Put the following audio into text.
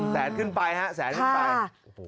แสนขึ้นไปฮะแสนขึ้นไปโอ้โฮโอ้โฮโอ้โฮโอ้โฮโอ้โฮโอ้โฮ